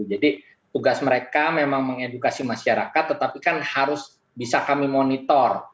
jadi tugas mereka memang mengedukasi masyarakat tetapi kan harus bisa kami monitor